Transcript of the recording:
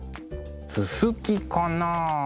ススキかな。